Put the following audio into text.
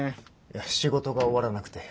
いや仕事が終わらなくて。